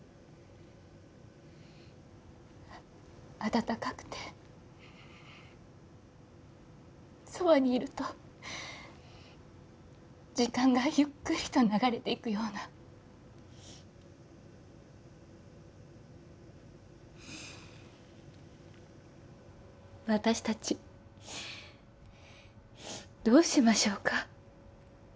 温かくてそばにいると時間がゆっくりと流れていくような私達どうしましょうか？